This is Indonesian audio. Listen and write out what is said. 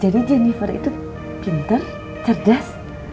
jennifer itu pinter cerdas